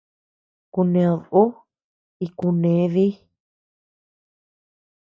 Kuned uu y kunee dii.